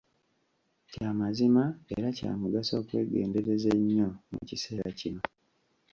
Kya mazima era kya mugaso okwegendereza ennyo mu kiseera kino.